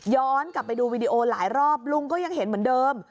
กลับไปดูวีดีโอหลายรอบลุงก็ยังเห็นเหมือนเดิม